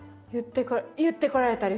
言ってこられたり？